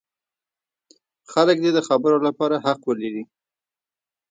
خلک دې د خبرو لپاره حق ولري.